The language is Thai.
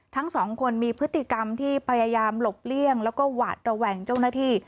ทั้งสองคนมีพฤติกรรมที่พยายามหลบเลี่ยงแล้วก็หวาดระแวงเจ้าหน้าที่